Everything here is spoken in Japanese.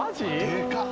でかっ。